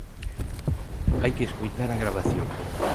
Hai que escoitar a gravación.